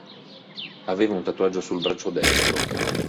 Aveva un tatuaggio sul braccio destro.